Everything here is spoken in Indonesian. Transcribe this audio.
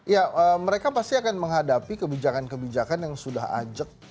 ya mereka pasti akan menghadapi kebijakan kebijakan yang sudah ajak